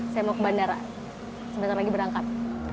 saya mau ke bandara sebentar lagi berangkat